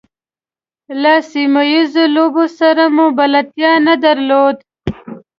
له سیمه ییزو لوبو سره مو بلدتیا نه درلوده.